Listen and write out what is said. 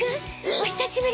お久しぶり！